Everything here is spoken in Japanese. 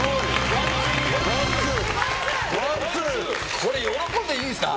これ喜んでいいんですか。